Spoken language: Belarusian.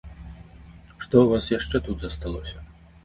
Што ў вас яшчэ тут засталося?